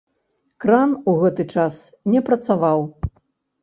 Кран у гэты час не працаваў.